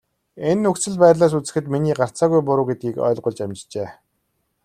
Энэ нөхцөл байдлаас үзэхэд миний гарцаагүй буруу гэдгийг ойлгуулж амжжээ.